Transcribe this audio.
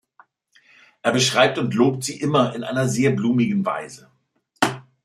Er beschreibt und lobt sie immer in einer sehr blumigen Weise.